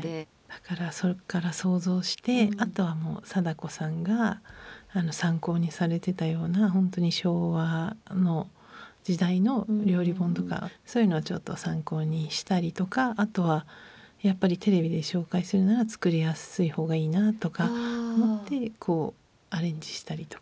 だからそこから想像してあとはもう貞子さんが参考にされてたようなほんとに昭和の時代の料理本とかそういうのはちょっと参考にしたりとかあとはやっぱりテレビで紹介するなら作りやすい方がいいなぁとか思ってこうアレンジしたりとか。